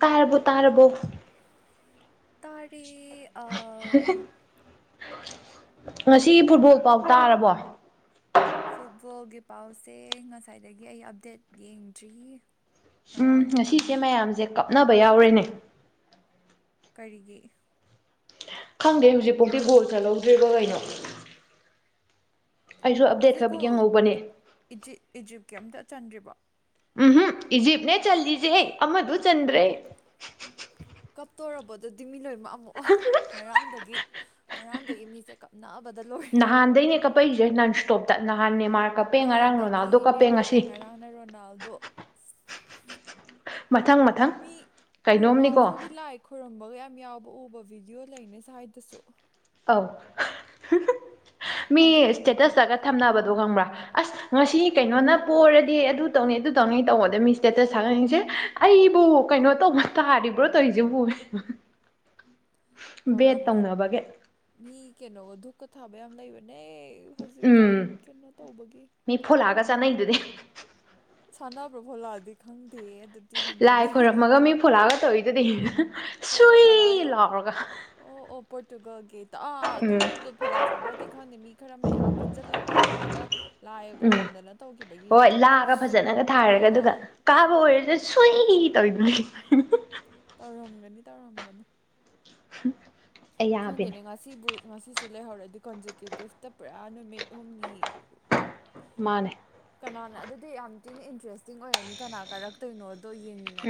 ꯇꯔꯕꯣ ꯇꯔꯕꯣ ꯇꯥꯔꯔꯤ ꯑ ꯉꯁꯤꯒꯤ ꯐꯨꯠꯕꯣꯜ ꯄꯥꯎ ꯇꯥꯔꯕꯣ ꯐꯨꯠꯕꯣꯜꯒꯤ ꯄꯥꯎꯁꯦ ꯉꯁꯥꯏꯗꯒꯤ ꯑꯩ ꯑꯞꯗꯦꯠ ꯌꯦꯡꯗ꯭ꯔꯤ ꯎꯝ ꯉꯁꯤꯁꯦ ꯉꯔꯥꯡꯒꯤꯇꯪꯅꯤ ꯃꯌꯥꯝꯁꯦ ꯀꯥꯞꯅꯕ ꯌꯥꯎꯔꯦꯅꯦ ꯀꯔꯤꯒꯤ ꯈꯪꯗꯦ ꯍꯧꯖꯤꯛ ꯄꯣꯛꯗꯤ ꯒꯣꯜ ꯆꯠꯍꯧꯗ꯭ꯔꯤꯕ ꯀꯩꯅꯣ ꯑꯩꯁꯨ ꯑꯞꯗꯦꯠ ꯍꯧꯖꯤꯛ ꯈꯛ ꯌꯦꯡꯍꯧꯕꯅꯦ ꯀꯩꯝꯇ ꯆꯟꯗ꯭ꯔꯤꯕꯣ ꯎꯝ ꯍꯨꯝ ꯏꯖꯤꯞꯅꯦ ꯆꯜꯂꯤꯁꯦ ꯑꯃꯗꯨ ꯆꯟꯗ꯭ꯔꯦ ꯀꯞꯇꯣꯔꯕꯣꯗꯨꯗꯤ ꯃꯤ ꯂꯣꯏꯅꯃꯛ ꯑꯃꯨꯛ ꯉꯔꯥꯡꯗꯒꯤ ꯉꯔꯥꯡꯗꯒꯤ ꯃꯤꯖꯦ ꯀꯞꯅ ꯅꯍꯥꯥꯟꯗꯅꯦ ꯀꯄꯩꯁꯦ ꯅꯟ ꯁꯇꯣꯞꯇ ꯅꯍꯥꯅꯦ ꯅꯍꯥꯟꯗꯒꯤ ꯅꯦꯝꯃꯥꯔ ꯉꯔꯥꯡꯅ ꯔꯣꯅꯥꯜꯗꯣ ꯃꯊꯪ ꯃꯊꯪ ꯃꯤ ꯀꯩꯅꯣꯝꯅꯤꯀꯣ ꯊꯨꯝꯕꯒ ꯌꯥꯝ ꯌꯥꯎꯕ ꯎꯕ ꯚꯤꯗꯤꯑꯣ ꯂꯩꯅꯦ ꯁ꯭ꯋꯥꯏꯗꯁꯨ ꯑꯧ ꯃꯤ ꯑꯗꯨꯒꯗꯨꯗꯤ ꯁ꯭ꯇꯦꯇꯁꯇꯒ ꯊꯝꯅꯕꯗꯣ ꯈꯪꯕ꯭ꯔꯥ ꯑꯁ ꯉꯁꯤ ꯀꯩꯅꯣꯅ ꯄꯔꯗꯤ ꯑꯗꯨ ꯇꯧꯅꯤ ꯑꯗꯨ ꯇꯧꯅꯤ ꯇꯧꯕꯗ ꯃꯤ ꯏꯁꯇꯦꯇ ꯊꯒꯠꯅꯩꯖꯦ ꯑꯩ ꯑꯩꯕꯨ ꯀꯩꯅꯣ ꯇꯧꯕ ꯇꯥꯔꯤꯕ꯭ꯔꯣ ꯇꯩꯖꯤꯕꯨ ꯕꯦꯠ ꯇꯧꯅꯕꯒꯤ ꯀꯩꯅꯣ ꯙꯨꯛꯀꯥ ꯊꯥꯕ ꯌꯥꯝ ꯂꯩꯕꯅꯦ ꯍꯧꯖꯤꯛꯀꯥꯟ ꯎꯝ ꯀꯩꯅꯣ ꯇꯧꯕꯒꯤ ꯃꯤ ꯐꯣꯂꯥꯒ ꯆꯥꯅꯩꯗꯨꯗꯤ ꯁꯥꯟꯅꯥꯕꯔꯣ ꯐꯣꯟ ꯂꯛ ꯑꯥꯗꯤ ꯈꯪꯗꯦ ꯑꯗꯨꯗꯤ ꯂꯥꯏ ꯍꯦꯟꯖꯜꯂꯦ ꯈꯣꯏꯔꯝꯃꯒ ꯃꯤ ꯐꯣꯂꯥꯒ ꯇꯧꯔꯤꯗꯨꯗꯤ ꯑꯣ ꯁꯨꯏ ꯐꯣꯂꯥ ꯂꯥꯎꯔꯒ ꯑꯣ ꯄꯣꯔꯇꯨꯒꯜ ꯒꯤ ꯑꯥꯥ ꯎꯝ ꯑꯗꯨꯗꯣ ꯐꯣꯂꯥ ꯆꯥꯕ꯭ꯔꯗꯤ ꯈꯪꯗꯦ ꯃꯤ ꯈꯔ ꯃꯌꯥꯝ ꯄꯨꯟꯁꯤꯜꯂꯒ ꯑꯗꯨꯃꯥꯏꯅ ꯂꯥꯏ ꯎꯝ ꯈꯣꯏꯔ ꯀꯗꯅ ꯇꯧꯒꯤ ꯕꯗꯤ ꯍꯣꯏ ꯎꯏ ꯂꯥꯒ ꯐꯖꯅꯒ ꯑꯥ ꯊꯥꯔꯒ ꯑꯥ ꯑꯗꯨꯒ ꯑꯥ ꯀꯥꯕ ꯑꯣꯏꯔꯁꯨ ꯁꯨꯏ ꯇꯧꯔꯤꯗꯨꯅꯤ ꯇꯧꯔꯝꯒꯅꯤ ꯇꯧꯔꯝꯒꯅꯤ [unintelligible] ꯌꯥꯕꯤꯅꯦ ꯈꯪꯗꯅꯦ ꯉꯁꯤꯕꯨ ꯉꯁꯤ ꯁꯤꯁꯨ ꯂꯩꯍꯧꯔꯗꯤ ꯀꯣꯟꯖꯤꯀ꯭ꯌꯨꯇꯤꯞꯇ ꯄꯨꯔꯥ ꯅꯨꯃꯤꯠ ꯍꯨꯝꯅꯤ ꯃꯥꯅꯦ ꯀꯅꯥꯅ ꯑꯗꯨꯗꯤ ꯌꯥꯝ ꯊꯤꯅ ꯏꯟꯇꯔꯦꯁꯇꯤꯡ ꯑꯣꯏꯔꯅꯤ ꯀꯅꯥ ꯀꯥꯔꯛꯇꯣꯏꯅꯣ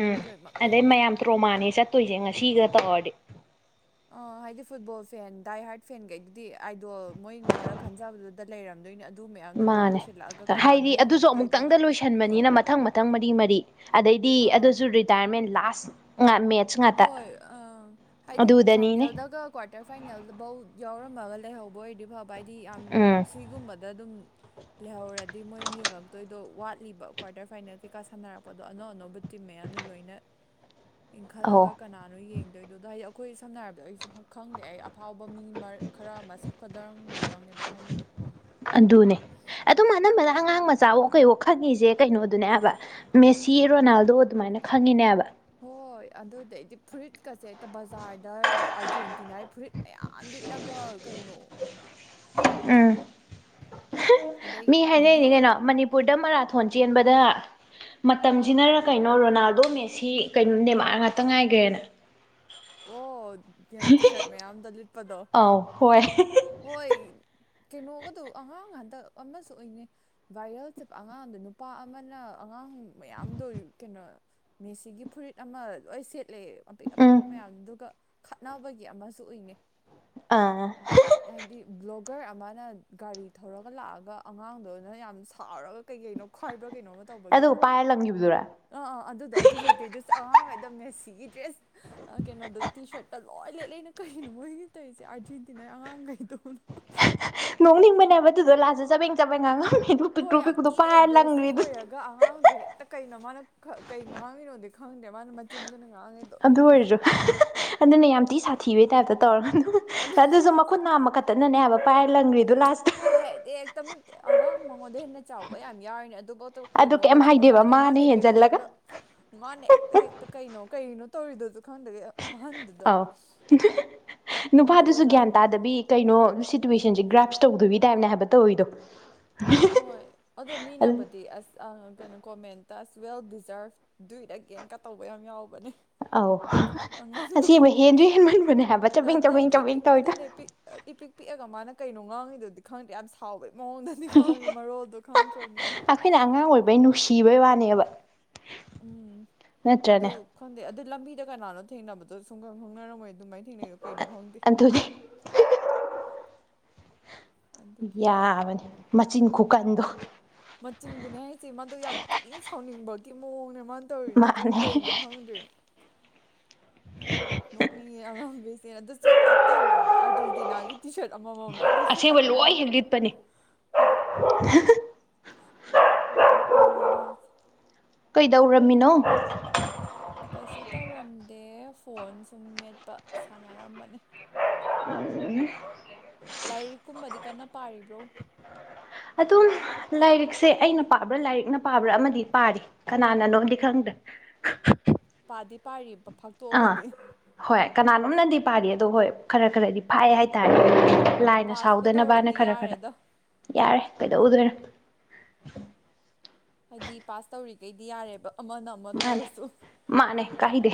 ꯎꯝ ꯑꯗꯩ ꯃꯌꯥꯝ ꯇ꯭ꯔꯣꯃꯥꯅꯦ ꯆꯠꯇꯣꯏꯁꯦ ꯉꯁꯤꯒ ꯇꯧꯔꯗꯤ ꯑ ꯍꯥꯏꯗꯤ ꯐꯨꯠꯕꯣꯜ ꯐꯦꯟ ꯗꯥꯏ ꯍꯥꯔꯠ ꯐꯦꯟꯒꯩꯗꯨꯗꯤ ꯑꯥꯏꯗꯣꯜ ꯃꯣꯏ ꯈꯔ ꯈꯟꯖꯕꯗꯨꯗ ꯂꯩꯔꯝꯗꯣꯏꯅꯤ ꯑꯗꯨ ꯃꯌꯥꯝꯗꯣ ꯂꯣꯏ ꯃꯥꯅꯦ ꯂꯣꯏꯁꯤꯜꯂꯛꯑꯒ ꯀꯅꯥꯅꯣ ꯍꯥꯏꯗꯤ ꯑꯗꯨꯁꯨ ꯌꯦꯡꯉꯛꯇꯣꯏꯗꯣꯗꯣ ꯑꯃꯨꯛꯇꯪꯗ ꯂꯣꯏꯁꯟꯕꯅꯤꯅ ꯃꯊꯪ ꯃꯊꯪ ꯃꯔꯤ ꯃꯔꯤ ꯑꯗꯩꯗꯤ ꯑꯥ ꯑꯗꯨꯁꯨ ꯔꯤꯇꯥꯌꯔꯃꯦꯟ ꯂꯥꯁ ꯃꯦꯠꯆ ꯍꯣꯏ ꯑ ꯍꯥꯏꯗꯤ ꯑꯗꯨꯗꯅꯤꯅꯦ ꯐꯥꯏꯅꯦꯜꯗꯒ ꯀ꯭ꯋꯥꯇꯔ ꯐꯥꯏꯅꯦꯜꯗꯐꯧ ꯌꯥꯎꯔ ꯔꯝꯃꯒ ꯂꯩꯍꯧꯕ ꯑꯣꯏꯔꯗꯤ ꯐꯕ ꯍꯥꯏꯗꯤ ꯌꯥꯝ ꯎꯝ ꯁꯤꯒꯨꯝꯕꯗ ꯑꯗꯨꯝ ꯂꯩꯍꯧꯔꯗꯤ ꯃꯣꯏꯅ ꯌꯦꯡꯉꯛꯇꯣꯏꯗꯣ ꯋꯥꯠꯂꯤꯕ ꯀ꯭ꯋꯥꯔꯇꯔ ꯐꯥꯏꯅꯦꯜ ꯀꯩꯀꯥ ꯁꯥꯟꯅꯔꯛꯄꯗꯣ ꯑꯅꯧ ꯑꯅꯧꯕ ꯃꯌꯥꯝꯗꯣ ꯂꯣꯏꯅ ꯈꯜꯂꯒ ꯑꯧ ꯀꯅꯥꯅꯣ ꯌꯦꯡꯗꯣꯏꯗꯣ ꯑꯗꯣ ꯍꯥꯏꯗꯤ ꯑꯩꯈꯣꯏ ꯁꯝꯅ ꯍꯥꯏꯔꯕꯗ ꯑꯩꯁꯨ ꯈꯪꯗꯦ ꯑꯩ ꯑꯐꯥꯎꯕ ꯃꯤ ꯈꯔ ꯑꯃ ꯁꯛꯀꯗꯗꯨꯗꯪꯅꯦꯕ ꯈꯪꯉꯤꯗꯣ ꯑꯗꯨꯅ ꯑꯗꯨꯝ [unintelligible] ꯑꯉꯥꯡ ꯃꯆꯥ ꯑꯣ ꯀꯩ ꯑꯣ ꯈꯪꯉꯤꯁꯦ ꯀꯩꯅꯣꯗꯨꯅꯦꯕ ꯃꯦꯁꯤ ꯔꯣꯅꯥꯜꯗꯣ ꯑꯗꯨꯃꯥꯏꯅ ꯈꯪꯉꯤꯅꯦꯕ ꯍꯣꯏ ꯑꯗꯨꯗꯩꯗꯤ ꯐꯨꯔꯤꯠꯀꯁꯦ ꯍꯦꯛꯇ ꯕꯖꯥꯔꯗ ꯑꯥꯔꯖꯦꯟꯇꯤꯅꯥꯒꯤ ꯐꯨꯔꯤꯠ ꯃꯌꯥꯝ ꯂꯤꯠꯂꯒ ꯀꯩꯅꯣ ꯎꯝ ꯑꯗꯩ ꯃꯤ ꯍꯥꯏꯅꯔꯤꯅꯤ ꯚꯤꯗꯤꯑꯣꯒ ꯀꯩꯅꯣ ꯃꯅꯤꯄꯨꯔꯗ ꯃꯔꯥꯊꯣꯟ ꯆꯦꯟꯕꯗ ꯃꯇꯝꯁꯤꯅꯔ ꯀꯩꯅꯣ ꯔꯣꯅꯥꯜꯗꯣ ꯃꯦꯁꯤ ꯀꯩꯅꯣ ꯅꯦꯃꯔ ꯉꯥꯛꯇ ꯉꯥꯏꯈ꯭ꯔꯦꯅ ꯑꯣ ꯀꯩꯅꯣ ꯇꯤ ꯁꯥꯔꯠ ꯃꯌꯥꯝꯗ ꯂꯤꯠꯄꯗꯣ ꯑꯧ ꯍꯣꯏ ꯍꯣꯏ ꯀꯩꯅꯣꯒꯗꯨ ꯑꯉꯥꯡ ꯍꯟꯗꯛ ꯑꯃꯁꯨ ꯑꯣꯏꯅꯤꯩ ꯚꯥꯏꯔꯦꯜ ꯆꯠꯄ ꯑꯉꯥꯡꯗ ꯅꯨꯄꯥ ꯑꯃꯅ ꯑꯉꯥꯡ ꯥꯃꯌꯥꯝꯗꯣ ꯀꯩꯅꯣ ꯃꯦꯁꯤꯒꯤ ꯐꯨꯔꯤꯠ ꯑꯃ ꯂꯣꯏ ꯁꯦꯠ ꯂꯩ ꯑꯄꯤꯛ ꯎꯝ ꯑꯄꯤꯛꯄ ꯃꯌꯥꯝꯗꯨꯒ ꯈꯠꯅꯕꯒꯤ ꯑꯃꯁꯨ ꯎꯏꯅꯩ ꯑꯥ ꯍꯥꯏꯗꯤ ꯕꯂꯣꯛ ꯒꯔ ꯑꯃꯅ ꯒꯥꯔꯤ ꯊꯧꯔꯒ ꯂꯥꯛꯑꯒ ꯑꯉꯥꯡꯗꯨꯅ ꯌꯥꯝ ꯁꯥꯎꯔꯒ ꯀꯩ ꯀꯩꯅꯣ ꯈꯔꯥ ꯩꯀꯩꯅꯣꯃ ꯇꯧꯕꯒꯤ ꯑꯃ ꯑꯗꯨꯒ ꯄꯥꯏꯔ ꯂꯪꯈꯤꯕꯗꯨꯔꯥ ꯑ ꯑ ꯑꯗꯨꯗꯣ [unintelligible] ꯑꯩꯈꯣꯌꯗꯥ ꯃꯦꯁꯤꯒꯤ ꯗ꯭ꯔꯦꯁ ꯀꯩꯅꯣꯗ ꯇꯤ ꯁꯥꯔꯠꯇ ꯂꯣꯏ ꯂꯦꯠꯂꯦꯅ ꯀꯩꯅꯣ ꯃꯣꯏꯒꯤ ꯇꯧꯔꯤꯁꯦ ꯑꯥꯔꯖꯦꯟꯇꯤꯅꯥꯏꯒꯤ ꯑꯉꯥꯡꯈꯩꯗꯣ ꯅꯥ ꯅꯣꯡꯅꯤꯡꯕꯅꯦꯕ ꯑꯗꯨꯗꯣ ꯂꯥꯁꯇ ꯆꯄꯦꯡ ꯆꯄꯦꯡ ꯉꯥꯡꯉꯝ [unintelligible] ꯍꯣꯏ ꯄꯤꯛꯇ꯭ꯔꯣ ꯌꯥꯝ ꯄꯤꯛꯄꯨꯗꯣ ꯊꯤꯅ ꯄꯥꯏꯔ ꯑꯦꯒ꯭ꯔꯦꯁꯤꯞ ꯂꯪꯒꯔ꯭ꯤ ꯗꯨꯅꯤ ꯑꯣꯏꯔꯒ ꯑꯉꯥꯡꯗꯣ ꯍꯦꯛꯇ ꯀꯩꯅꯣ ꯃꯥꯅ ꯀꯩ ꯉꯥꯡꯉꯤꯅꯣꯗꯤ ꯈꯪꯗꯦ ꯃꯥꯅ ꯃꯆꯤꯟꯗꯨꯅ ꯉꯥꯡꯉꯤꯗꯣ ꯑꯗꯨ ꯑꯣꯏꯔꯁꯨ ꯑꯗꯨꯅꯦ ꯌꯥꯝ ꯊꯤ ꯁꯥꯊꯤꯕꯩ ꯇꯥꯏꯞꯇ ꯇꯧꯔꯒ ꯑꯗꯨꯅꯦ ꯑꯗꯨꯁꯨ ꯑꯩꯁꯦ ꯃꯈꯨꯠ ꯅꯥꯝꯃ ꯈꯛꯇꯅꯅꯦ ꯍꯥꯏꯕ ꯄꯥꯏꯔ ꯂꯪꯒ꯭ꯔꯤꯗꯨ ꯂꯥꯁꯇ ꯍꯣꯏ ꯍꯥꯏꯗꯤ ꯍꯦꯛꯇ ꯑꯉꯥꯡ ꯃꯉꯣꯟꯗ ꯍꯦꯟꯅ ꯆꯥꯎꯕ ꯌꯥꯝ ꯌꯥꯎꯔꯤꯅꯦ ꯑꯗꯨ ꯄꯣꯠꯇꯣ ꯑꯗꯨ ꯀꯩꯅꯣ ꯀꯩꯝ ꯀꯩꯁꯨ ꯍꯥꯏꯗꯦꯕ ꯐꯖꯍꯟꯗꯦ ꯃꯥꯅ ꯏꯄꯤꯛ ꯍꯦꯟꯖꯜꯂꯒ ꯄꯤꯛꯑꯒ ꯃꯥꯅ ꯍꯦꯛꯇ ꯍꯦꯛꯇ ꯀꯩꯅꯣ ꯀꯩꯒꯤꯅꯣ ꯇꯧꯔꯤꯗꯣꯁꯨ ꯈꯪꯗꯒꯩ ꯑꯍꯟꯗꯨꯗ ꯑꯥꯎ ꯑꯗꯨꯒ ꯅꯨꯄꯥꯗꯨꯁꯨ ꯂꯪ ꯒ꯭ꯌꯥꯟ ꯇꯥꯗꯕꯤ ꯀꯩꯅꯣ ꯁꯤꯇꯨꯦꯋꯁꯟ ꯁꯦ ꯒ꯭ꯔꯥꯁ ꯇꯧꯗꯣꯏ ꯇꯥꯏꯞꯅꯦ ꯍꯥꯏꯕ ꯇꯧꯋꯤꯗꯣ ꯍꯣꯏ ꯑꯗꯣ ꯃꯤꯅꯕꯨꯗꯤ ꯑꯁ ꯀꯩꯅꯣ ꯀꯣꯃꯦꯟ ꯗꯁ ꯋꯦꯜ ꯗꯤꯖꯥꯔꯚ ꯗꯨ ꯑꯦꯒꯦꯟꯀ ꯇꯧꯕ ꯌꯥꯝ ꯌꯥꯎꯕꯅꯦ ꯑꯧ ꯑꯉꯥꯡꯗꯣ ꯑꯁꯦꯕꯩ ꯍꯦꯟꯖꯨ ꯍꯦꯟꯃꯟꯕꯅꯦ ꯍꯥꯏꯕ ꯆꯕꯦꯡ ꯆꯕꯦꯡ ꯆꯕꯦꯡ ꯇꯧꯋꯤꯗꯣ ꯏ ꯄꯤꯛ ꯄꯤꯛꯑꯒ ꯃꯥꯅ ꯀꯩꯅꯣ ꯉꯥꯡꯉꯤꯗꯨꯗꯤ ꯈꯪꯗ꯭ꯔꯦ ꯌꯥꯝ ꯁꯥꯎꯕꯩ ꯃꯑꯣꯡꯗꯗꯤ ꯉꯥꯡꯉꯤ ꯃꯔꯣꯜꯗꯨꯗꯤ ꯈꯪꯗꯦ ꯑꯩꯈꯣꯏꯅ ꯑꯉꯥꯡ ꯑꯣꯏꯕꯩ ꯅꯨꯡꯁꯤꯕꯩ ꯋꯥꯅꯦꯕ ꯎꯝ ꯑꯗꯨ ꯅꯠꯇ꯭ꯔꯅꯦ ꯈꯪꯗꯦ ꯑꯗꯨ ꯂꯝꯕꯤꯗ ꯀꯅꯥꯅꯣ ꯊꯦꯡꯅꯕꯗꯣ ꯁꯨꯡꯪ ꯈꯪꯅꯔꯝꯃꯣꯏꯗ ꯑꯗꯨꯃꯥꯏꯅ ꯊꯦꯡꯅꯩꯌꯦ ꯀꯩꯅꯣ ꯈꯪꯗꯦ ꯑꯗꯨꯅꯤ ꯑꯗꯒꯤ ꯌꯥꯕꯅꯤ ꯃꯆꯤꯟ ꯈꯨꯀꯟꯗꯣ ꯕꯀꯤ ꯃꯑꯣꯡꯅꯦ ꯃꯥꯅ ꯇꯧꯔꯤꯗ ꯑꯗꯨꯗꯨ ꯃꯥꯅꯦ ꯀꯩꯅꯣ ꯈꯪꯗꯦ ꯑꯦ ꯅꯣꯛꯅꯤꯡꯉꯦ ꯑꯉꯥꯡꯈꯩꯁꯦ ꯑꯗꯨꯁꯨ ꯍꯦꯛꯇ ꯑꯔꯖꯦꯟꯇꯤꯅꯥꯒꯤ ꯇꯤ ꯁꯥꯔꯠ ꯑꯃꯃꯝ ꯂꯣꯏ ꯑꯁꯦꯡꯕ ꯂꯤꯁꯤꯜꯂꯒ ꯃꯣꯏ ꯂꯣꯏ ꯇꯧꯋꯤꯖꯦ ꯍꯦꯛꯂꯤꯠꯄꯅꯦ ꯍꯣꯏ ꯅꯣꯛꯅꯤꯡꯉꯦꯅ ꯀꯩꯗꯧꯔꯝꯃꯤꯅꯣ ꯀꯩꯁꯨ ꯇꯧꯔꯝꯗꯦ ꯐꯣꯟ ꯁꯨꯝ ꯃꯦꯠꯄ ꯁꯥꯟꯅꯔꯝꯕꯅꯦ ꯂꯥꯏꯔꯤꯛ ꯀꯨꯝꯕꯗꯤ ꯀꯟꯅ ꯄꯥꯔꯤꯕ꯭ꯔꯣ ꯑꯗꯨꯝ ꯂꯥꯏꯔꯤꯛꯁꯦ ꯑꯩꯅ ꯄꯥꯕ꯭ꯔꯥ ꯂꯥꯏꯔꯤꯛꯅ ꯄꯥꯕ꯭ꯔꯥ ꯑꯃꯗꯤ ꯄꯥꯔꯤ ꯀꯅꯥꯅꯅꯣꯗꯤ ꯈꯪꯗ꯭ꯔꯦ [inaudible] ꯄꯥꯗꯤ ꯄꯥꯔꯤ ꯑꯥ ꯍꯣꯏ ꯀꯅꯥꯅꯣꯝꯅꯗꯤ ꯄꯥꯔꯤ ꯑꯣ ꯍꯣꯏ ꯈꯔ ꯈꯔꯗꯤ ꯐꯥꯏ ꯍꯥꯏꯇꯥꯔꯦ ꯂꯥꯏꯅ ꯄꯥꯁꯄꯨ ꯁꯥꯎꯗꯅꯕꯅ ꯇꯧꯔꯗꯤ ꯈꯔ ꯈꯔ ꯌꯥꯔꯦꯗꯣ ꯌꯥꯔꯦ ꯀꯩꯗꯧꯗꯣꯏꯅꯣ ꯍꯥꯏꯗꯤ ꯄꯥꯁ ꯇꯧꯔꯤꯒꯩꯗꯤ ꯌꯥꯔꯦꯕ ꯑꯃꯅ ꯑꯃ ꯃꯥꯅꯦ ꯇꯧꯔꯁꯨ ꯃꯥꯅꯦ ꯀꯥꯏꯗꯦ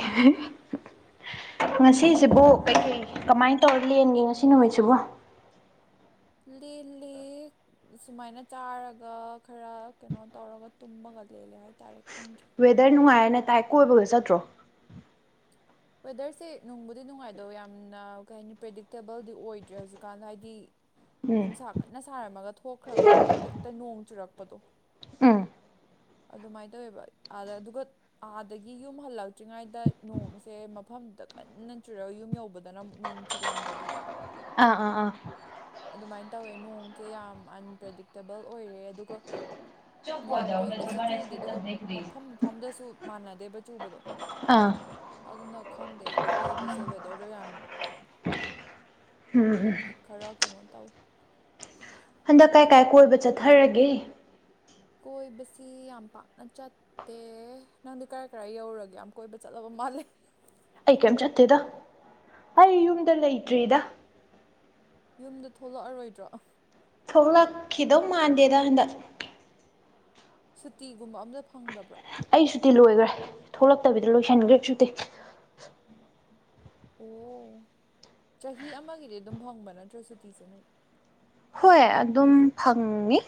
ꯑꯗꯨꯅꯤ ꯉꯁꯤꯁꯤꯕꯨ ꯀꯩꯀꯩ ꯀꯃꯥꯏꯅ ꯇꯧꯔ ꯂꯦꯟꯒꯦ ꯉꯁꯤ ꯅꯨꯃꯤꯠꯁꯤꯕꯨ ꯂꯦꯜꯂꯦ ꯁꯨꯃꯥꯏꯅ ꯆꯥꯔꯒ ꯈꯔ ꯀꯩꯅꯣ ꯇꯧꯔꯒ ꯇꯨꯝꯃꯒ ꯂꯦꯜꯂꯦ ꯍꯥꯏ ꯋꯦꯗꯔ ꯅꯨꯡꯉꯥꯏꯅ ꯇꯥꯏ ꯀꯣꯏꯕꯒ ꯆꯠꯇ꯭ꯔꯣ ꯋꯦꯗꯔꯁꯦ ꯅꯨꯡꯕꯨꯗꯤ ꯅꯨꯡꯉꯥꯏꯗꯧ ꯌꯥꯝꯅ ꯀꯩ ꯍꯥꯏꯅꯤ ꯄ꯭ꯔꯦꯗꯤꯛꯇꯦꯕꯜꯗꯤ ꯑꯣꯏꯗ꯭ꯔꯦ ꯍꯧꯖꯤꯛꯀꯥꯟꯗ ꯍꯥꯏꯗꯤ ꯎꯝ ꯅꯨꯡꯁꯥ ꯀꯟꯅ ꯁꯥꯔꯝꯃꯒ ꯊꯣꯛꯈ꯭ꯔꯒ ꯍꯦꯛꯇ ꯅꯣꯡ ꯆꯨꯔꯛꯄꯗꯣ ꯎꯝ ꯑꯗꯨꯃꯥꯏꯅ ꯇꯧꯋꯦꯕ ꯑꯥꯗ ꯑꯗꯨꯒ ꯑꯥꯗꯒꯤ ꯌꯨꯝ ꯍꯜꯂꯛꯇ꯭ꯔꯤꯉꯩꯗ ꯅꯣꯡ ꯁꯦ ꯃꯐꯝꯗꯨꯗ ꯀꯟꯅ ꯆꯨꯔꯒ ꯌꯨꯝ ꯌꯧꯕꯗꯅ ꯑꯃꯨꯛ ꯅꯨꯡ ꯆꯨꯔꯝꯗꯕꯤ ꯑꯥ ꯑꯥ ꯑꯥ ꯑꯗꯨꯃꯥꯏꯅ ꯇꯧꯋꯦ ꯅꯣꯡꯁꯦ ꯌꯥꯝ ꯑꯟꯄ꯭ꯔꯗꯤꯛꯇꯦꯕꯜ ꯑꯣꯏꯔꯦ ꯑꯗꯨꯒ ꯌꯥꯝ ꯀꯨꯏꯅꯁꯨ ꯆꯨꯗꯦ ꯑꯗꯨꯒ ꯃꯐꯝ ꯃꯐꯝꯗꯁꯨ ꯃꯥꯟꯅꯗꯦꯕ ꯆꯨꯕꯗꯣ ꯑꯥ ꯑꯗꯨꯅ ꯈꯪꯗꯦ ꯀꯣꯏꯕꯁꯦ ꯋꯦꯗꯔꯗꯣ ꯌꯥꯝ ꯈꯪꯗꯦ ꯈꯔ ꯀꯩꯅꯣ ꯇꯧꯋꯦ ꯍꯟꯗꯛ ꯀꯥꯏ ꯀꯥꯏ ꯀꯣꯏꯕ ꯆꯠꯊꯔꯒꯦ ꯀꯣꯏꯕꯁꯤ ꯌꯥꯝ ꯄꯥꯛꯅ ꯆꯠꯇꯦ ꯅꯪꯗꯤ ꯀꯔꯥꯏ ꯀꯔꯥꯏ ꯌꯧꯔꯨꯔꯒꯦ ꯌꯥꯝ ꯀꯣꯏꯕ ꯆꯠꯂꯕ ꯃꯥꯂꯦ ꯑꯩ ꯀꯩꯝ ꯆꯠꯇꯦꯗ ꯑꯩ ꯌꯨꯝꯗ ꯂꯩꯇ꯭ꯔꯤꯗ ꯌꯦꯝꯗ ꯊꯣꯛꯂꯛꯑꯔꯣꯏꯗ꯭ꯔꯣ ꯊꯣꯛꯂꯛꯈꯤꯗꯧ ꯃꯥꯟꯗꯦꯗ ꯍꯟꯗꯛ ꯁꯨꯇꯤꯒꯨꯝꯕ ꯑꯝꯇ ꯐꯪꯗꯞ ꯑꯩ ꯁꯨꯇꯤ ꯂꯣꯏꯒ꯭ꯔꯦ ꯊꯣꯛꯂꯛꯇꯕꯤꯗ ꯂꯣꯏꯁꯟꯒ꯭ꯔꯦ ꯁꯨꯇꯤ ꯑꯣ ꯆꯍꯤ ꯑꯃꯒꯤꯗꯤ ꯑꯗꯨꯝ ꯐꯪꯕ ꯅꯠꯇ꯭ꯔꯣ ꯁꯨꯇꯤꯁꯦ ꯅꯣꯏ ꯍꯣꯏ ꯑꯗꯨꯝ ꯐꯪꯉꯤ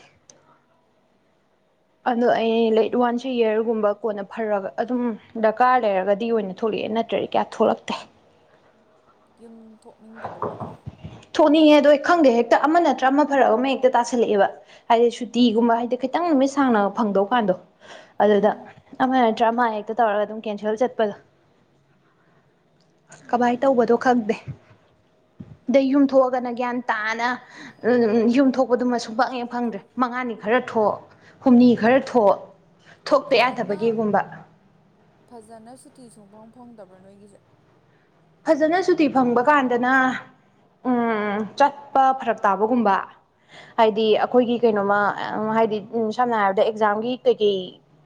ꯑꯗꯣ ꯑꯩ ꯂꯩꯠ ꯋꯥꯟꯁ ꯑꯦ ꯌꯔꯒꯨꯝꯕ ꯀꯣꯟꯅ ꯐꯔꯒ ꯑꯗꯨꯝ ꯗꯔꯀꯥꯔ ꯂꯩꯔꯒꯗꯤ ꯑꯣꯏꯅ ꯊꯣꯛꯂꯦ ꯑꯦ ꯅꯠꯇ꯭ꯔꯗꯤ ꯀꯌꯥ ꯊꯣꯛꯂꯛꯇꯦ ꯌꯨꯝ ꯊꯣꯛꯅꯤꯡꯗꯕꯩꯔꯣ ꯗꯦ ꯑꯩ ꯈꯪꯗꯦ ꯍꯦꯛꯇ ꯑꯃ ꯅꯠꯇ꯭ꯔ ꯑꯃ ꯐꯔꯛ ꯑꯃ ꯍꯦꯛꯇ ꯇꯥꯁꯤꯜꯂꯛꯑꯦꯕ ꯍꯥꯏꯗꯤ ꯁꯨꯇꯤꯒꯨꯝꯕ ꯍꯥꯏꯗꯤ ꯈꯤꯇꯪ ꯅꯨꯃꯤꯠ ꯁꯥꯡꯅ ꯕ ꯐꯪꯗꯧꯀꯥꯟꯗꯣ ꯑꯗꯨꯗ ꯎꯝ ꯑꯃ ꯅꯠꯇ꯭ꯔ ꯑꯃ ꯍꯦꯛꯇ ꯇꯧꯔꯒ ꯑꯗꯨꯝ ꯀꯦꯟꯁꯦꯜ ꯆꯠꯄꯗꯣ ꯀꯃꯥꯏ ꯎꯝ ꯇꯧꯕꯗꯣ ꯈꯪꯗꯦ ꯗꯩ ꯌꯨꯝ ꯊꯣꯛꯑꯒꯅ ꯒ꯭ꯌꯥꯟ ꯇꯥꯅ ꯎꯝ ꯌꯨꯝ ꯊꯣꯛꯄꯗꯨꯃ ꯁꯨꯨꯡꯐꯪ ꯍꯦꯛ ꯐꯪꯗ꯭ꯔꯦ ꯃꯉꯥꯅꯤ ꯈꯔ ꯊꯣꯛ ꯍꯨꯝꯅꯤ ꯈꯔ ꯊꯣꯛ ꯊꯣꯛꯇ ꯐꯖꯅ ꯌꯥꯗꯕꯒꯤꯒꯨꯝꯕ ꯐꯖꯅ ꯁꯨꯇꯤ ꯁꯨꯡꯐꯪ ꯐꯪꯗꯕ꯭ꯔꯣ ꯅꯣꯏꯒꯤꯖꯦ ꯐꯖꯅ ꯁꯨꯇꯤ ꯐꯪꯕ ꯀꯥꯟꯗꯅꯥ ꯎꯝ ꯆꯠꯄ ꯐꯔꯛ ꯇꯥꯕꯒꯨꯝꯕ ꯍꯥꯏꯗꯤ ꯑꯈꯣꯏꯒꯤ ꯀꯩꯅꯣꯝꯃ ꯑꯦ ꯎꯝ ꯍꯥꯏꯗꯤ ꯎꯝ ꯁꯝꯅ ꯍꯥꯏꯔꯕꯗ ꯑꯦꯛꯖꯥꯝꯒꯤ ꯀꯩꯀꯩ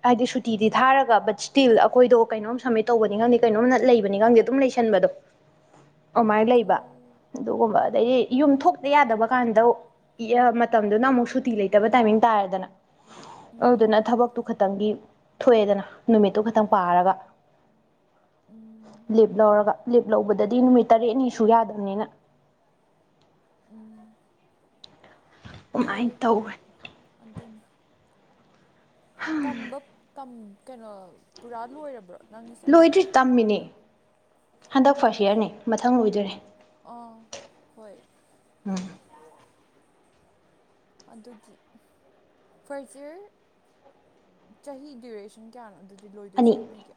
ꯍꯥꯏꯗꯤ ꯁꯨꯇꯤꯗꯤ ꯊꯥꯔꯒ ꯕꯠ ꯁ꯭ꯇꯤꯜ ꯑꯈꯣꯏꯗꯣ ꯀꯩꯅꯣꯝ ꯁꯝꯃꯤꯠ ꯇꯧꯕꯅꯤ ꯈꯪꯗꯦ ꯀꯩꯅꯣꯝ ꯅꯠ ꯂꯩꯕꯅꯤ ꯈꯪꯗꯦ ꯑꯗꯨꯝ ꯂꯩꯁ ꯁꯟꯕꯗꯣ ꯑꯃꯥꯏ ꯑꯣꯀꯦ ꯂꯩꯕꯥ ꯑꯗꯨꯒꯨꯝꯕ ꯑꯗꯗꯤ ꯌꯨꯝ ꯊꯣꯛꯇ ꯌꯥꯗꯕ ꯀꯥꯟꯗ ꯌꯥ ꯃ ꯇꯝꯗꯨꯅ ꯑꯃꯨꯛ ꯁꯨꯇꯤ ꯂꯩꯇꯕ ꯇꯥꯏꯃꯤꯡ ꯇꯥꯔꯦꯗꯅꯥ ꯎꯝ ꯎꯝ ꯑꯗꯨꯗꯨꯅ ꯎꯝ ꯊꯕꯛꯇꯨ ꯈꯇꯪꯒꯤ ꯊꯣꯛꯑꯦꯗꯅꯥ ꯅꯨꯃꯤꯠꯇꯣ ꯈꯇꯪ ꯄꯥꯔꯒ ꯎꯝ ꯂꯤꯞ ꯂꯧꯔꯒ ꯂꯤꯞ ꯂꯧꯕꯗꯗꯤ ꯅꯨꯃꯤꯠ ꯇꯔꯦꯠꯅꯤ ꯁꯨ ꯌꯥꯗꯝꯅꯤꯅ ꯎꯝ ꯍꯣꯏ ꯍꯣꯏ ꯇꯧꯈ꯭ꯔꯦ ꯑꯗꯨꯝ ꯇꯝꯕ ꯇꯝ ꯀꯩꯅꯣ ꯄꯨꯔꯥ ꯂꯣꯏꯔꯕ꯭ꯔꯣ ꯅꯪꯒꯤꯁꯦ ꯂꯣꯏꯗ꯭ꯔꯤ ꯇꯝꯃꯤꯅꯦ ꯍꯟꯗꯛ ꯐꯥꯔꯁ ꯌꯔꯅꯦ ꯃꯊꯪ ꯂꯣꯏꯗꯣꯔꯦ ꯑꯥ ꯍꯣꯏ ꯎꯝ ꯑꯗꯨꯒꯤ ꯐꯔꯁ ꯌꯔ ꯆꯍꯤ ꯗ꯭ꯌꯨꯔꯦꯁꯟ ꯀꯌꯥꯅꯣ ꯑꯗꯨ ꯖꯨ ꯂꯣꯏꯗꯨꯏꯁꯦ ꯑꯅꯤ ꯅꯣꯏꯒꯤ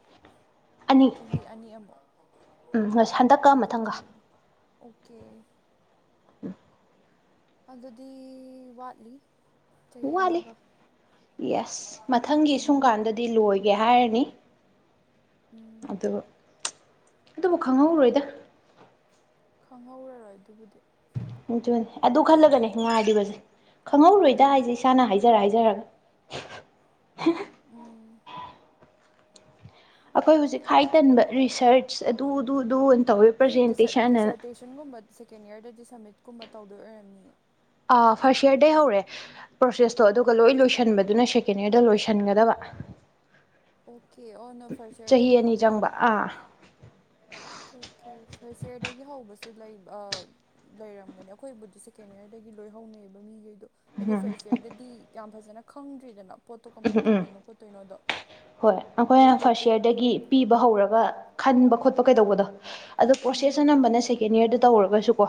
ꯑꯅꯤ ꯆꯍꯤ ꯑꯅꯤ ꯑꯃꯨꯛ ꯎꯝ ꯉꯁꯤ ꯍꯟꯗꯛꯀ ꯃꯊꯪꯒ ꯑꯗꯨꯒꯤ ꯑꯣꯀꯦ [inaudible] ꯑꯗꯨꯗꯤ ꯋꯥꯠꯂꯤ ꯆꯍꯤ ꯋꯥꯠꯂꯤ ꯑꯃꯒ ꯌꯦꯁ ꯃꯊꯪꯒꯤ ꯁꯨꯡ ꯎꯝ ꯀꯥꯟꯗꯗꯤ ꯂꯣꯏ ꯒꯦ ꯍꯥꯏꯔꯅꯤ ꯎꯝ ꯑꯗꯨ ꯑꯗꯨꯕꯨ ꯈꯪꯍꯧꯔꯣꯏꯗ ꯈꯪꯍꯧꯔꯔꯣꯏ ꯑꯗꯨꯕꯨꯗꯤ ꯑꯗꯨꯅꯤ ꯑꯗꯨ ꯈꯜꯂꯒꯅꯦ ꯉꯥꯏꯔꯤꯕꯖꯦ ꯎꯝ ꯈꯪꯍꯧꯔꯣꯏꯗꯥ ꯍꯥꯏꯖꯦ ꯏꯁꯥꯅ ꯍꯥꯏꯖꯔ ꯍꯥꯏꯖꯔꯒ ꯍꯦ ꯎꯝ ꯑꯈꯣꯏ ꯍꯨꯖꯤꯛ ꯍꯥꯏ ꯇꯟꯕ ꯔꯤꯁꯔꯁ ꯑꯗꯨ ꯑꯗꯨ ꯗꯨ ꯅꯣꯏ ꯗꯤꯖꯔꯠ ꯗꯦꯖꯥꯔꯇꯦꯁꯟꯒꯨꯝꯕ ꯁꯦꯀꯦꯟ ꯌꯔꯗꯗꯤ ꯁꯝꯃꯤꯠ ꯀꯨꯝꯕ ꯇꯧꯗꯣꯏ ꯑꯣꯏꯔꯝꯅꯤꯌꯦ ꯑꯥ ꯐꯥꯔꯁ ꯌꯔꯗꯩ ꯍꯧꯔꯦ ꯄ꯭ꯔꯣꯁꯦꯁꯇꯣ ꯑꯗꯨꯒ ꯂꯣꯏ ꯂꯣꯏꯁꯟꯕꯗꯨꯅ ꯁꯦꯀꯦꯟ ꯌꯔꯗ ꯂꯣꯏꯁꯟꯒꯗꯕ ꯑꯣꯀꯦ ꯑꯣ ꯅꯣ ꯐꯔꯆ ꯌꯔꯗꯩ ꯑꯅꯤ ꯍꯧꯅꯕ ꯆꯪꯕ ꯑꯣꯏꯕ ꯑꯥ ꯑꯣꯀꯦ ꯑꯣꯀꯦ ꯐꯥꯔꯁ ꯌꯔꯗꯒꯤ ꯍꯧꯕꯁꯨ ꯂꯩ ꯑꯥ ꯂꯩꯔꯝꯒꯅꯤ ꯑꯩꯈꯣꯏꯕꯨꯗꯤ ꯁꯦꯀꯦꯟ ꯌꯔꯗꯩ ꯒꯤ ꯂꯣꯏ ꯍꯧꯅꯩꯌꯦꯕ ꯃꯤꯒꯩꯗꯣ ꯎꯝ ꯍꯥꯏꯗꯤ ꯐꯔꯆ ꯌꯔꯗꯗꯤ ꯌꯥꯝ ꯐꯖꯅ ꯈꯪꯗ꯭ꯔꯤꯗꯅꯥ ꯎꯍꯝ ꯎꯝ ꯍꯣꯏ ꯑꯗꯩ ꯑꯈꯣꯏꯅ ꯐꯥꯔꯁ ꯇꯣꯄꯤꯛ ꯌꯥꯔꯗꯒꯤ ꯄꯤꯕ ꯍꯧꯔꯒ ꯈꯟꯕ ꯈꯣꯠꯄ ꯀꯩꯗꯧꯕꯗꯣ ꯑꯗꯣ ꯄ꯭ꯔꯣꯁꯦꯁ ꯎꯝ ꯑꯅꯝꯕꯅ ꯁꯦꯀꯦꯟ ꯌꯔꯗ ꯇꯧꯔꯒꯁꯨ ꯀꯣ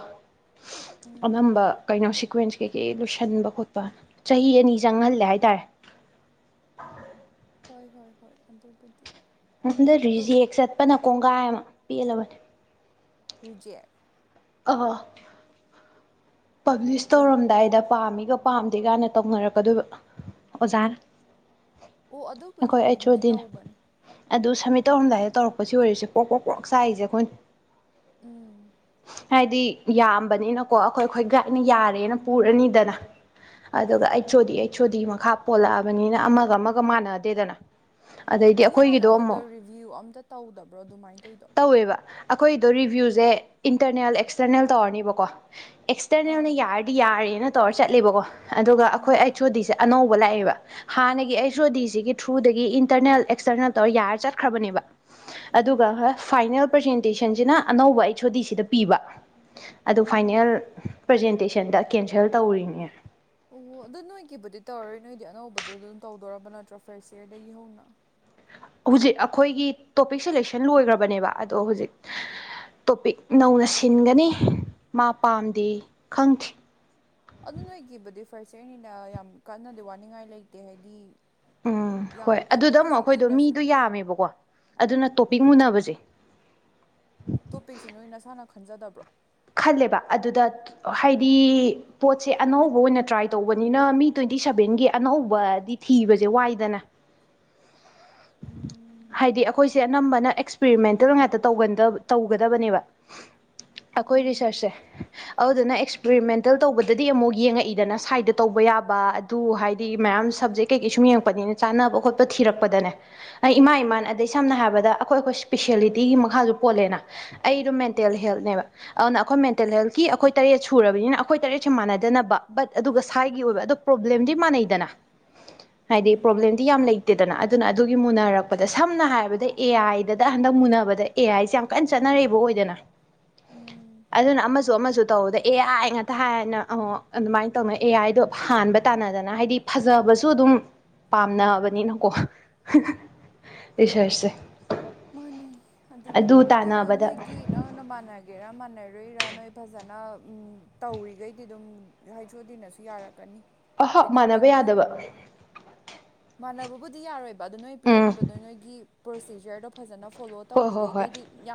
ꯎꯝ ꯑꯅꯝꯕ ꯀꯩꯅꯣꯁꯤ ꯁꯤꯀ꯭ꯋꯦꯟꯁ ꯀꯩꯀꯩ ꯂꯣꯏꯁꯟꯕ ꯈꯣꯠꯄ ꯆꯍꯤ ꯑꯅꯤ ꯆꯪꯍꯜꯂꯦ ꯍꯥꯏꯇꯥꯔꯦ ꯍꯣꯏ ꯍꯣꯏ ꯍꯣꯏ ꯑꯗꯨꯕꯨꯗꯤ ꯃꯊꯠꯗ ꯑꯗꯨ ꯔꯤꯖꯦꯛ ꯆꯠꯄꯅ ꯀꯣꯡꯒꯥꯏ ꯑꯃ ꯄꯦꯜꯂꯕꯅꯦ ꯔꯤꯖꯦꯛ ꯑ ꯄꯕ꯭ꯂꯤꯁ ꯀꯩ ꯇꯧꯔꯝꯗꯥꯏꯗ ꯄꯥꯝꯃꯤꯒ ꯄꯥꯝꯗꯦ ꯒꯥꯅ ꯇꯧꯅꯔꯛꯀꯗꯣꯏꯕ ꯑꯣꯖꯥꯅ ꯑꯣ ꯑꯗꯨꯕꯨꯗꯤ ꯑꯩꯈꯣꯏ ꯑꯩꯆ ꯑꯗꯨꯝꯗꯤ ꯑꯣꯗꯤꯅ ꯇꯧꯕꯅꯦ ꯑꯗꯨ ꯁꯝꯃꯤꯠ ꯇꯧꯔꯝꯗꯥꯏꯗ ꯇꯧꯔꯛꯄꯁꯤ ꯑꯣꯏꯔꯤꯁꯦ ꯄ꯭ꯔꯣꯛ ꯀꯣꯛ ꯄꯣꯛ ꯆꯥꯛꯏꯁꯦ ꯑꯩꯈꯣꯏꯅ ꯎꯝ ꯍꯥꯏꯗꯤ ꯌꯥꯝꯕꯅꯤꯅꯀꯣ ꯑꯩꯈꯣꯏ ꯑꯩꯈꯣꯏ ꯒꯥꯏꯗꯅ ꯌꯥꯔꯦꯅ ꯄꯨꯔꯅꯤꯗꯅ ꯑꯗꯨꯒ ꯑꯩ ꯁꯣꯗꯤ ꯑꯩꯆꯣꯗꯤ ꯃꯈꯥ ꯄꯣꯜꯂꯛꯑꯕꯅꯤꯅ ꯑꯃꯒ ꯑꯃꯒ ꯃꯥꯟꯅꯗꯦꯗꯅ ꯑꯗꯩꯗꯤ ꯅꯣꯏ ꯍꯥꯟꯅ ꯑꯩꯈꯣꯏꯒꯤꯗꯣ ꯑꯗꯨꯗꯣ ꯑꯃꯨꯛ ꯔꯤꯚꯤꯌꯨ ꯑꯝꯇ ꯇꯧꯗꯕ꯭ꯔꯣ ꯑꯗꯨꯃꯥꯏꯅ ꯇꯧꯗꯣ ꯇꯧꯋꯦꯕ ꯑꯩꯈꯣꯏꯗꯣ ꯔꯤꯚ꯭ꯌꯨꯁꯦ ꯏꯟꯇꯔꯅꯦꯜ ꯑꯦꯛꯁꯇꯔꯅꯦꯜ ꯇꯧꯔꯅꯤꯕꯀꯣ ꯑꯥ ꯑꯦꯛꯁꯇꯔꯅꯦꯜꯅ ꯌꯥꯔꯗꯤ ꯌꯥꯔꯦꯅ ꯇꯧꯔ ꯆꯠꯂꯦꯕꯀꯣ ꯑꯗꯨꯒ ꯑꯩꯈꯣꯏ ꯎꯝ ꯑꯩꯠꯆ ꯑꯣꯗꯤꯁꯦ ꯑꯅꯧꯕ ꯂꯥꯛꯑꯦꯕ ꯍꯥꯟꯅꯒꯤ ꯑꯩꯁ ꯑꯣ ꯗꯤ ꯁꯤꯒꯤ ꯊ꯭ꯔꯨꯗꯒꯤ ꯏꯟꯇꯔꯅꯦꯜ ꯑꯦꯛꯁꯇꯔꯅꯦꯜ ꯇꯧꯔ ꯌꯥꯔ ꯆꯠꯈ꯭ꯔꯕꯅꯦꯕ ꯎꯝ ꯑꯗꯨꯒ ꯍꯣꯏ ꯐꯥꯏꯅꯦꯜ ꯄ꯭ꯔꯖꯦꯟꯇꯦꯁꯟꯁꯤꯅ ꯑꯅꯧꯕ ꯑꯩꯁ ꯁꯣꯗꯤꯁꯤꯗ ꯄꯤꯕ ꯑꯗꯨ ꯎꯝ ꯐꯥꯏꯅꯦꯜ ꯄ꯭ꯔꯖꯦꯟꯇꯦꯁꯟꯗ ꯀꯦꯟꯁꯦꯜ ꯇꯧꯔꯤꯅꯦ ꯑꯣꯍꯣ ꯑꯗꯨꯗ ꯅꯣꯏꯒꯤꯕꯨꯗꯤ ꯇꯧꯔꯣꯏ ꯅꯣꯏꯗꯤ ꯑꯅꯧꯕꯗꯣ ꯑꯗꯨꯝ ꯇꯧꯗꯣꯔꯔꯕ ꯅꯠꯇ꯭ꯔꯣ ꯐꯥꯔꯁ ꯏꯌꯥꯔꯗꯒꯤ ꯍꯧꯅ ꯍꯧꯖꯤꯛ ꯑꯩꯈꯣꯏꯒꯤ ꯇꯣꯄꯤꯛ ꯁꯦꯂꯦꯛꯁꯟ ꯂꯣꯏꯈ꯭ꯔꯕꯅꯦꯕ ꯑꯗꯣ ꯍꯧꯖꯤꯛ ꯇꯣꯄꯤꯛ ꯅꯧꯅ ꯁꯤꯟꯒꯅꯤ ꯃꯥ ꯄꯥꯝꯗꯦꯌꯦ ꯈꯪꯗꯦ ꯐꯔꯁ ꯏꯔꯌꯅꯤꯅ ꯌꯥꯝ ꯀꯟꯅꯗꯤ ꯋꯥꯅꯤꯡꯉꯥꯏ ꯂꯩꯇꯦ ꯍꯥꯏꯗꯤ ꯎꯝ ꯍꯣꯏ ꯌꯥꯝ ꯀꯟꯅ ꯑꯗꯨꯗ ꯑꯃꯨꯛ ꯀꯩꯁꯨ ꯑꯩꯈꯣꯏꯗꯣ ꯀꯨꯏꯅꯁꯨ ꯃꯤꯗꯣ ꯌꯥꯝꯃꯦꯕꯀꯣ ꯑꯗꯨꯅ ꯇꯣꯄꯤꯛ ꯃꯨꯟꯅꯕꯁꯦ ꯇꯣꯄꯤꯛꯁꯤ ꯅꯣꯏ ꯅꯁꯥꯅ ꯈꯟꯖꯗꯕ꯭ꯔꯣ ꯈꯜꯂꯦꯕ ꯑꯗꯨꯗ ꯍꯥꯏꯗꯤ ꯄꯣꯠꯁꯦ ꯑꯅꯧꯕ ꯑꯣꯏꯅ ꯇ꯭ꯔꯥꯏ ꯇꯧꯕꯅꯤꯅ ꯃꯤ ꯇ꯭ꯋꯦꯟꯇꯤ ꯇꯤ ꯁꯚꯦꯟꯒꯤ ꯑꯅꯧꯕꯗꯤ ꯊꯤꯕꯁꯦ ꯋꯥꯏꯗꯅ ꯎꯝ ꯍꯥꯏꯗꯤ ꯑꯩꯈꯣꯏꯁꯦ ꯑꯅꯝꯕꯅ ꯑꯦꯛꯁ ꯄꯔꯤꯃꯦꯟꯇꯦꯜ ꯉꯥꯛꯇ ꯇꯧꯒꯟꯗ ꯇꯧꯒꯗꯕꯅꯦꯕ ꯑꯩꯈꯣꯏ ꯎꯝ ꯔꯤꯁꯔꯁꯁꯦ ꯑꯗꯨꯗꯨꯅ ꯑꯦ ꯑꯦꯛꯁꯄꯦꯔꯤꯃꯦꯟꯇꯦꯜ ꯇꯧꯕꯗꯗꯤ ꯑꯃꯨꯛ ꯌꯦꯡꯉꯛꯏꯗꯅ ꯁꯥꯏꯗ ꯇꯧꯕ ꯌꯥꯕ ꯑꯗꯨ ꯍꯥꯏꯗꯤ ꯃꯌꯥꯝ ꯁꯕꯖꯦꯛ ꯀꯩꯀꯩ ꯀꯩ ꯁꯨꯝ ꯌꯦꯡꯉꯛꯄꯅꯤꯅ ꯆꯥꯟꯅꯕ ꯈꯣꯠꯄ ꯊꯤꯔꯛꯄꯗꯅꯦ ꯑꯩ ꯏꯃꯥ ꯏꯃꯥꯟ ꯑꯗꯩ ꯁꯝꯅ ꯍꯥꯏꯔꯕꯗ ꯑꯩꯈꯣꯏ ꯑꯩꯈꯣꯏ ꯏꯁꯄꯤꯁꯦꯜꯂꯤꯇꯤꯒꯤ ꯃꯈꯥꯁꯨ ꯄꯣꯜꯂꯦꯅ ꯑꯩꯗ ꯃꯦꯟꯇꯦꯟ ꯍꯦꯜꯅꯦꯕ ꯑꯗꯨꯅ ꯑꯩꯈꯣꯏ ꯃꯦꯟꯇꯦꯜ ꯍꯦꯜꯀꯤ ꯑꯩꯈꯣꯏ ꯇꯔꯦꯠ ꯁꯨꯔꯕꯅꯤꯅ ꯑꯩꯈꯣꯏ ꯇꯔꯦꯠꯁꯦ ꯃꯥꯟꯅꯗꯅꯕ ꯕꯠ ꯑꯗꯨꯒ ꯁ꯭ꯥꯏꯒꯤ ꯑꯣꯏꯕ ꯑꯗꯣ ꯄ꯭ꯔꯣꯕ꯭ꯂꯦꯝꯗꯤ ꯃꯥꯟꯅꯩꯗꯅ [inaudible] ꯍꯥꯏꯗꯤ ꯎꯝ ꯄ꯭ꯔꯣꯕ꯭ꯂꯦꯝꯗꯤ ꯌꯥꯝ ꯂꯩꯇꯦꯗꯅ ꯑꯗꯨꯅ ꯑꯗꯨꯒꯤ ꯃꯨꯟꯅꯔꯛꯄꯗ ꯁꯝꯅ ꯍꯥꯏꯔꯕꯗ ꯑꯦ ꯑꯥꯏꯗꯗ ꯍꯟꯗꯛ ꯃꯨꯟꯅꯕꯗ ꯑꯦ ꯑꯥꯏꯁꯦ ꯌꯥꯝ ꯀꯟꯅ ꯆꯠꯅꯔꯛꯏꯕ ꯑꯣꯏꯗꯅ ꯎꯝ ꯑꯗꯨꯅ ꯑꯃꯁꯨ ꯑꯃꯁꯨ ꯇꯧꯕꯗ ꯑꯦ ꯑꯥꯏ ꯉꯥꯛꯇ ꯍꯥꯏꯅ ꯑꯣ ꯑꯗꯨꯃꯥꯏꯅ ꯇꯧꯅ ꯑꯦ ꯑꯥꯏꯗꯣ ꯍꯥꯟꯕ ꯇꯥꯟꯅꯗꯅ ꯍꯥꯏꯗꯤ ꯐꯖꯕꯁꯨ ꯑꯗꯨꯝ ꯄꯥꯝꯅꯕꯅꯤꯅꯀꯣ ꯔꯤꯁꯔꯁꯁꯦ ꯃꯥꯅꯤ ꯑꯗꯨꯅꯤ ꯑꯗꯨ ꯅꯣꯏꯒꯤ ꯅꯪꯅ ꯃꯥꯟꯅꯒꯦꯔ ꯃꯥꯟꯅꯔꯣꯏꯔ ꯅꯣꯏ ꯐꯖꯅ ꯎꯝ ꯇꯧꯔꯤꯈꯩꯗꯤ ꯑꯗꯨꯝ ꯍꯩꯁ ꯑꯣ ꯗꯤꯅꯁꯨ ꯌꯥꯔꯛꯀꯅꯤ ꯑꯥꯍꯥ ꯍꯥꯏꯗꯤ ꯃꯥꯟꯅꯕ ꯌꯥꯗꯕ ꯥꯃꯟꯅꯕꯕꯨꯗꯤ ꯌꯥꯔꯣꯏꯕ ꯑꯗꯣ ꯅꯣꯏ ꯎꯝ ꯄꯤꯔꯛꯏꯕꯗꯨ ꯅꯣꯏꯒꯤ ꯄ꯭ꯔꯣꯁꯤꯖꯔꯗꯣ ꯐꯖꯅ ꯐꯣꯂꯣ ꯍꯣꯏ ꯍꯣꯏ ꯍꯣꯏ ꯇꯧꯔꯤꯒꯩꯗꯩꯗꯤ ꯌꯥꯝ